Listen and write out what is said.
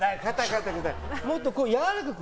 もっとやわらかく。